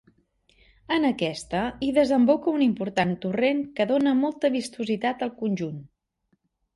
En aquesta hi desemboca un important torrent que dóna molta vistositat al conjunt.